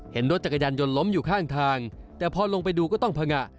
เห็นรถจักรยานยนต์ล้มอยู่ข้างทางแต่พอลงไปดูก็ต้องพังงะ